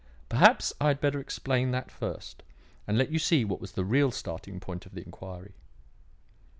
Perhaps I had better explain that first and let you see what was the real starting point of the inquiry.